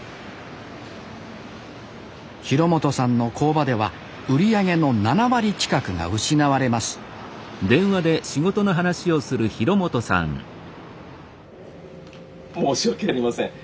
廣本さんの工場では売り上げの７割近くが失われます申し訳ありません。